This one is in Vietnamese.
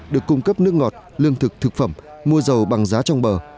được cung cấp nước ngọt lương thực thực phẩm mua dầu bằng giá trong bờ